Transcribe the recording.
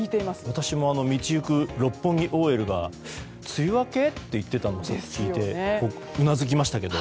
私も道行く六本木ＯＬが梅雨明け？と言っていたのでうなずきましたけど。